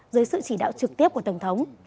dưới sự chỉ đạo trực tiếp của tổng thống